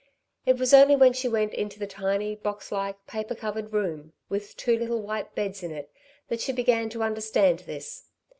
It was only when she went into the tiny, box like, paper covered room with two little white beds in it that she began to understand this.